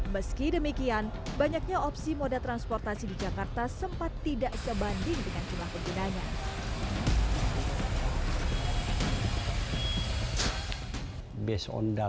meski demikian banyaknya opsi moda transportasi di jakarta sempat tidak sebanding dengan jumlah penggunanya